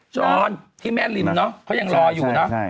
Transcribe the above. จรที่แม่ริมเนอะเขายังรออยู่เนอะ